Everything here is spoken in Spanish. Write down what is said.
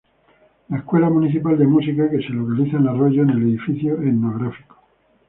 La Escuela Municipal de Música, que se localiza en Arroyo en el Edificio Etnográfico.